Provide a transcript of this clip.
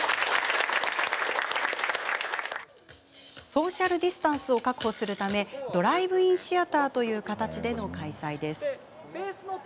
ソーシャルディスタンスを確保するためドライブインシアターという形での開催です。